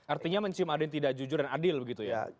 artinya mencium ada yang tidak jujur dan adil begitu ya